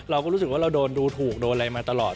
เราก็รู้สึกว่าเราโดนดูถูกโดนอะไรมาตลอด